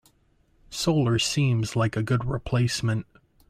Solar seems like a good replacement.